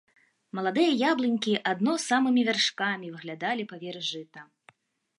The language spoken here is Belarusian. Маладыя яблынькі адно самымі вяршкамі выглядалі паверх жыта.